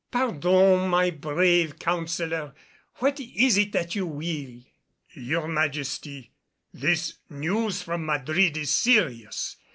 "Pardon, my brave Counselor. What is it that you will?" "Your Majesty, this news from Madrid is serious.